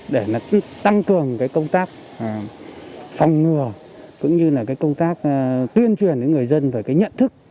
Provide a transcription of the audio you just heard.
để tăng cường công tác phòng ngừa cũng như công tác tuyên truyền đến người dân về nhận thức